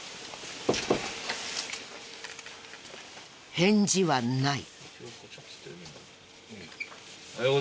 返事はない。